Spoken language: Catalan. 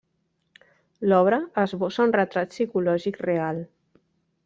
L'obra esbossa un retrat psicològic real.